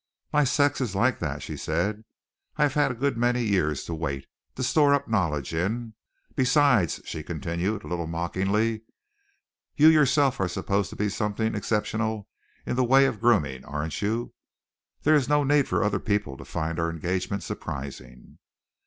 "My sex is like that," she said. "I have had a good many years to wait, to store up knowledge in. Besides," she continued, a little mockingly, "you yourself are supposed to be something exceptional in the way of grooming, aren't you? There is no need for other people to find our engagement surprising."